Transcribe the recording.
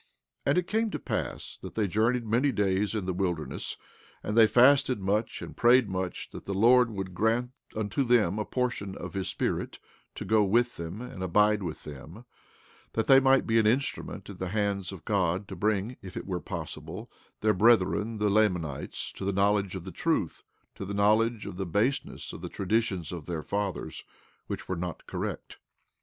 17:9 And it came to pass that they journeyed many days in the wilderness, and they fasted much and prayed much that the Lord would grant unto them a portion of his Spirit to go with them, and abide with them, that they might be an instrument in the hands of God to bring, if it were possible, their brethren, the Lamanites, to the knowledge of the truth, to the knowledge of the baseness of the traditions of their fathers, which were not correct.